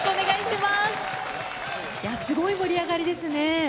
すごい盛り上がりですね。